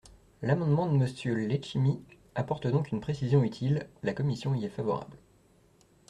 L’amendement de Monsieur Letchimy apporte donc une précision utile : la commission y est favorable.